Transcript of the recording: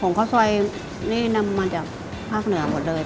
ข้าวซอยนี่นำมาจากภาคเหนือหมดเลย